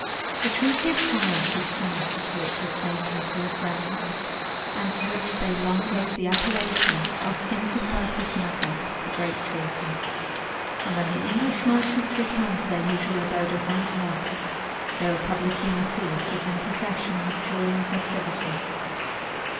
A treaty of commerce was finished, which was favorable to the Flemings, and to which they long gave the appellation of "intercursus magnus," the great treaty. And when the English merchants returned to their usual abode at Antwerp, they were publicly received, as in procession, with joy and festivity.